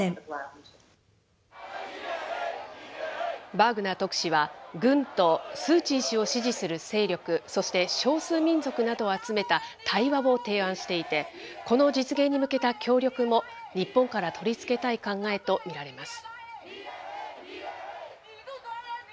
バーグナー特使は、軍とスー・チー氏を支持する勢力、そして少数民族などを集めた対話を提案していて、この実現に向けた協力も、日本から取り付けたい考えと見られます。